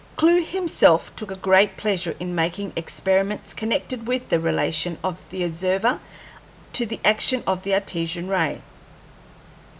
Clewe himself took great pleasure in making experiments connected with the relation of the observer to the action of the Artesian ray.